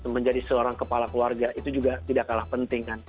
menjadi seorang kepala keluarga itu juga tidak kalah penting kan